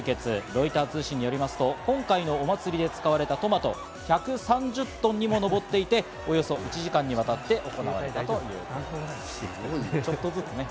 ロイター通信によりますと今回のお祭りで使われたトマトは１３０トンにも上っていて、およそ１時間にわたって行われたということです。